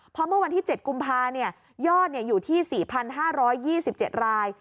เพราะเมื่อวันที่๗กุมภายอดอยู่ที่๔๕๒๗ราย